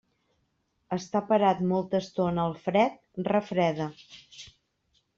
Estar parat molta estona al fred, refreda.